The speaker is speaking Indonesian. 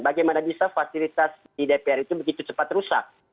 bagaimana bisa fasilitas di dpr itu begitu cepat rusak